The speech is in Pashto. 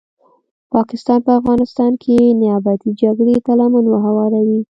پاکستان په افغانستان کې نیابتې جګړي ته لمن هواروي